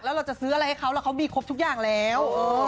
แล้วเราจะซื้ออะไรให้เขาแล้วเขามีครบทุกอย่างแล้ว